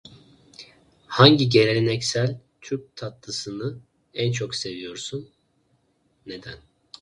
Hangi geleneksel Türk tatlısını en çok seviyorsun, neden?